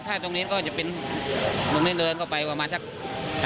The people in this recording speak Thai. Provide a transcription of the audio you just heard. ถ้าตรงนี้ก็จะเป็นลงเล่นก็ไปประมาณสัก๓๐เมตร